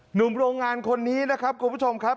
หนุ่มโรงงานคนนี้นะครับคุณผู้ชมครับ